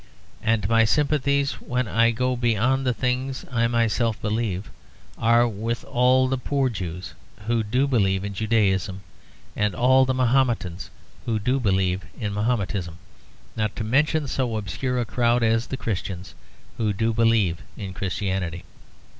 And my sympathies, when I go beyond the things I myself believe, are with all the poor Jews who do believe in Judaism and all the Mahometans who do believe in Mahometanism, not to mention so obscure a crowd as the Christians who do believe in Christianity.